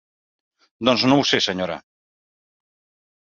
Doncs no ho sé, senyora.